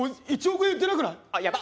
１億円言ってなくない？